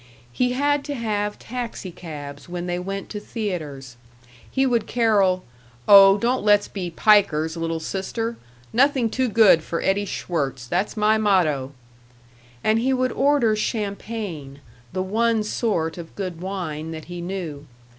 He had to have taxicabs when they went to theaters. He would carol, "Oh, don't let's be pikers, little sister nothing too good for Eddie Schwirtz, that's my motto." And he would order champagne, the one sort of good wine that he knew.